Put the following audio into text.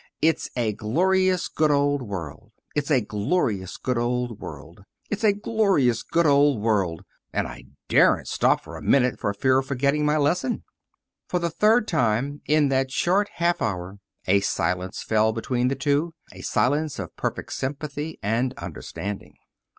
'It's a glorious, good old world; it's a glorious, good old world; it's a glorious, good old world.' And I daren't stop for a minute for fear of forgetting my lesson." For the third time in that short half hour a silence fell between the two a silence of perfect sympathy and understanding.